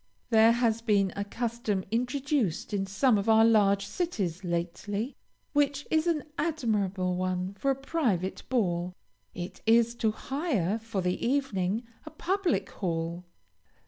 There has been a custom introduced in some of our large cities lately, which is an admirable one for a private ball. It is to hire, for the evening, a public hall.